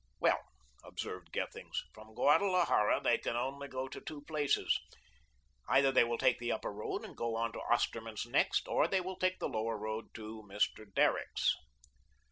"Well," observed Gethings, "From Guadalajara they can only go to two places. Either they will take the Upper Road and go on to Osterman's next, or they will take the Lower Road to Mr. Derrick's."